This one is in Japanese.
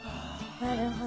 なるほど。